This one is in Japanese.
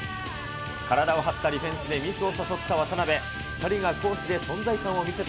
体を張ったディフェンスでミスを誘った渡邊。